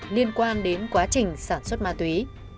liên quan đến quá trình sản xuất ma túy